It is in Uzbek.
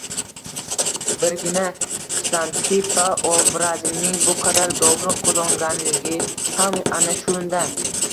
Birgina Ksantippa obrazining bu qadar dovruq qozonganligi ham ana shunda